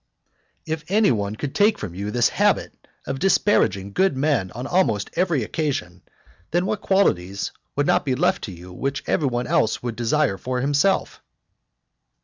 III. If any one could take from you this habit of disparaging good men on almost every occasion, then what qualities would not be left to you which every one would desire for himself?